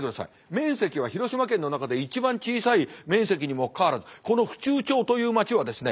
面積は広島県の中で一番小さい面積にもかかわらずこの府中町という町はですね